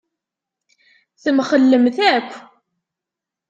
Temxellemt akk.